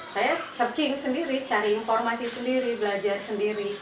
saya searching sendiri cari informasi sendiri belajar sendiri